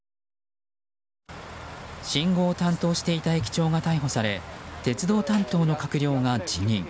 信号を担当していた駅長が逮捕され鉄道担当の閣僚が辞任。